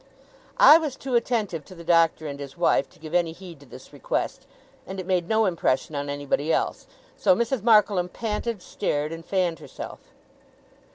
I was too attentive to the Doctor and his wife, to give any heed to this request; and it made no impression on anybody else; so Mrs. Markleham panted, stared, and fanned herself.